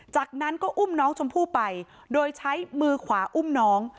จากนั้นก็อุ้มน้องชมพู่ไปโดยใช้มือขวาอุ้มน้อง